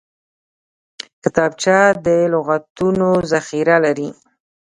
کتابچه د لغتونو ذخیره لري